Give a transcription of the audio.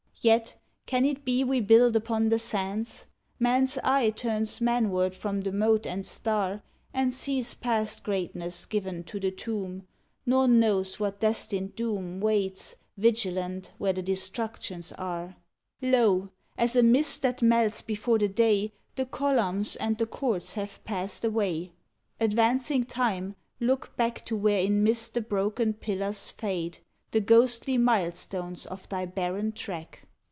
Yet, can it be we build upon the sands? Man s eye turns manward from the mote and star, And sees past greatness given to the tomb, Nor knows what destined doom Waits, vigilant, where the Destructions are. Lo ! as a mist that melts before the day 93 ODE ON THE OPENING OF The columns and the courts have passed away. Advancing Time, look back To where in mist the broken pillars fade, The ghostly milestones of thy barren track!